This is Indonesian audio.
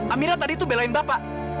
amira tadi itu belain bapak